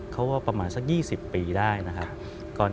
เขาว่าประมาณสัก๒๐ปีได้นะครับ